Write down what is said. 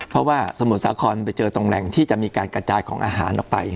เพราะว่าสมุทรสาครไปเจอตรงแหล่งที่จะมีการกระจายของอาหารออกไป